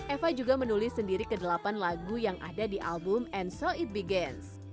eva juga menulis sendiri ke delapan lagu yang ada di album and sol it begainst